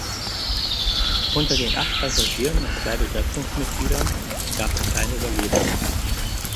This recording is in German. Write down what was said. Unter den acht Passagieren und zwei Besatzungsmitgliedern gab es keine Überlebenden.